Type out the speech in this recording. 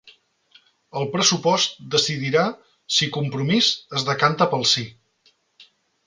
El pressupost decidirà si Compromís es decanta pel sí